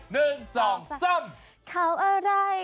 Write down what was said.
เขาอะไรเขาอะไร